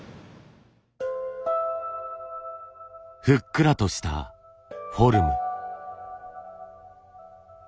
ふっくらとしたフォルム。